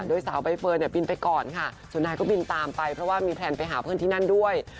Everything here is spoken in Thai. โดยสาวใบเฟิร์นเนี่ยบินไปก่อนค่ะส่วนนายก็บินตามไปเพราะว่ามีแพลนไปหาเพื่อนที่นั่นด้วย